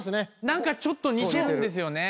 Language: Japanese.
何かちょっと似てるんですよね。